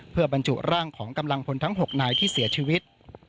เพื่อบรรจุร่างของกำลังพลทั้ง๖นายที่เสียชีวิต